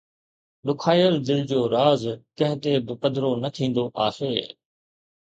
ڏکايل دل جو راز ڪنهن تي به پڌرو نه ٿيندو آهي